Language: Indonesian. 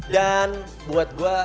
dan buat gue